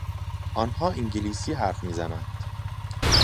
آنها انگلیسی حرف میزنند.